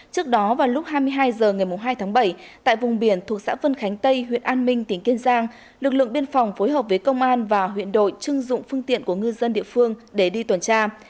trước đó vào lúc hai mươi hai h ngày hai tháng bảy tại vùng biển thuộc xã vân khánh tây huyện an minh tỉnh kiên giang lực lượng biên phòng phối hợp với công an và huyện đội chưng dụng phương tiện của ngư dân địa phương để đi tuần tra